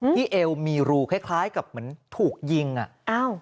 ที่เอลมีรูคล้ายกับเหมือนถูกยิงอ่ะ